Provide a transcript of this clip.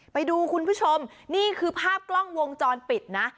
ไปดูคุณผู้ชมนี่คือภาพกล้องวงจรปิดนะ